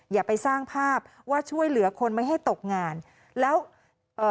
อย่าไปสร้างภาพว่าช่วยเหลือคนไม่ให้ตกงานแล้วเอ่อ